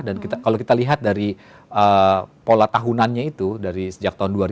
kalau kita lihat dari pola tahunannya itu dari sejak tahun dua ribu